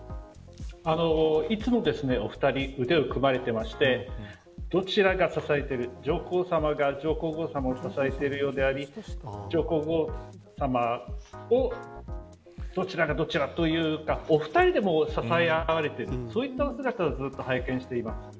いつもお二人、腕を組まれてましてどちらが支えている上皇さまが上皇后さまを支えているようでありどちらがどちら、というかお二人で支え合われているそういったお姿をずっと拝見しています。